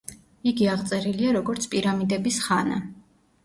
იგი აღწერილია, როგორც „პირამიდების ხანა“.